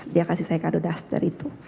dia kasih saya kado dasar itu